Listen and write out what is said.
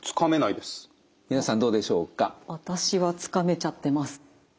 私はつかめちゃってます。